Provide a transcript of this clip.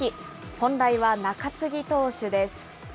本来は中継ぎ投手です。